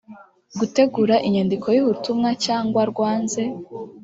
gutegura inyandiko y ubutumwa cyangwa rwanze